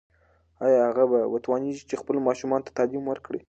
ایا هغه به وتوانیږي چې خپلو ماشومانو ته تعلیم ورکړي؟